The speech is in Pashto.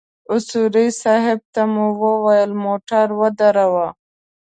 اصولي صیب ته مو وويل موټر ودروه.